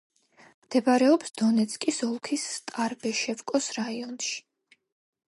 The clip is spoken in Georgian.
მდებარეობს დონეცკის ოლქის სტარობეშევოს რაიონში.